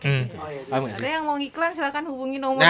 ada yang mau ngiklan silahkan hubungin nomornya